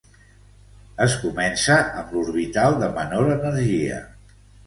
Es comença amb l'orbital de menor energia.